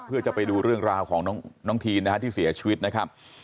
เพื่อจะไปดูเรื่องราวของน้องทีนนะฮะที่เสียชีวิตนะครับ